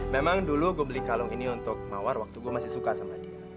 memang dulu gue beli kalung ini untuk mawar waktu gue masih suka sama dia